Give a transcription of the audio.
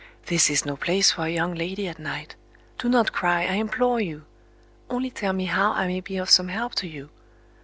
This is no place for a young lady at night! Do not cry, I implore you!—only tell me how I may be of some help to you!"